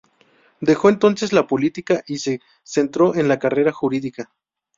Dejó entonces la política y se centró en la carrera jurídica.